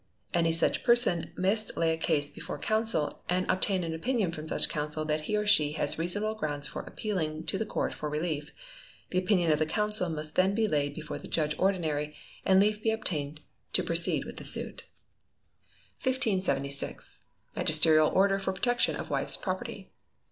_ Any such person must lay a case before counsel, and obtain an opinion from such counsel that he or she has reasonable grounds for appealing to the court for relief. The opinion of the counsel must then be laid before the judge ordinary, and leave be obtained to proceed with the suit. 1576. Magisterial Order for Protection of Wife's Property.